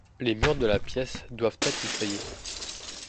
les murs de la pièce doivent être nettoyer